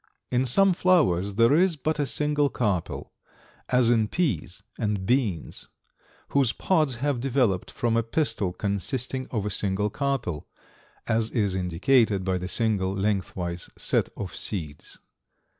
In some flowers there is but a single carpel, as in peas and beans, whose pods have developed from a pistil consisting of a single carpel, as is indicated by the single lengthwise set of seeds.